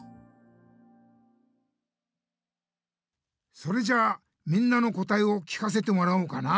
それじゃあみんなの答えを聞かせてもらおうかな。